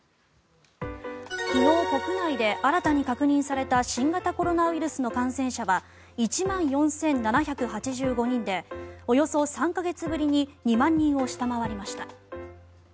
昨日国内で新たに確認された新型コロナウイルスの感染者は１万４７８５人でおよそ３か月ぶりに２万人を下回りました。